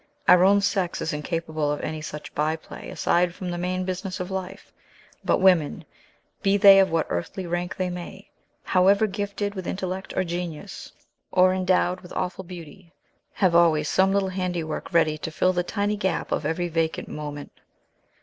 Our own sex is incapable of any such by play aside from the main business of life; but women be they of what earthly rank they may, however gifted with intellect or genius, or endowed with awful beauty have always some little handiwork ready to fill the tiny gap of every vacant moment.